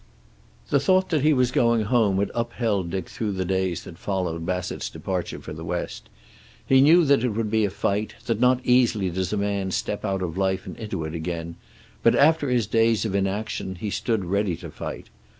The thought that he was going home had upheld Dick through the days that followed Bassett's departure for the West. He knew that it would be a fight, that not easily does a man step out of life and into it again, but after his days of inaction he stood ready to fight.